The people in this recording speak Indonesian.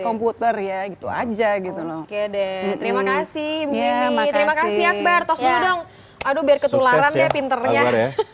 komputer ya gitu aja gitu loh ke deh terima kasih terima kasih amatch berkata sudut dong aduh biar